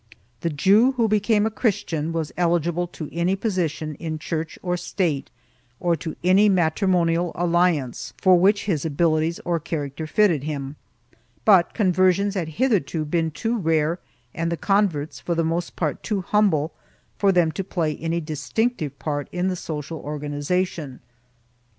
The Jew who became a Christian was eligible to any position in Church or State or to any matrimonial alliance for which his abilities or character fitted him, but con versions had hitherto been too rare and the converts, for the most part, too humble, for them to play any distinctive part in the social organization.